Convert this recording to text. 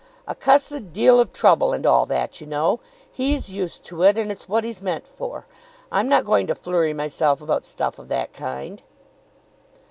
"A cussed deal of trouble and all that, you know! He's used to it, and it's what he's meant for. I'm not going to flurry myself about stuff of that kind."